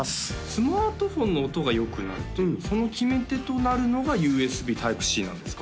スマートフォンの音が良くなるっていうその決め手となるのがＵＳＢｔｙｐｅ−Ｃなんですか？